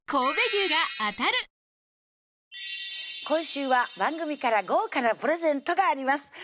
今週は番組から豪華なプレゼントがあります